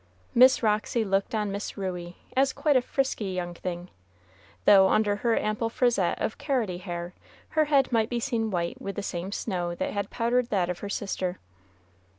Miss Roxy looked on Miss Ruey as quite a frisky young thing, though under her ample frisette of carroty hair her head might be seen white with the same snow that had powdered that of her sister.